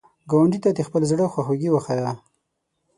ګاونډي ته د خپل زړه خواخوږي وښایه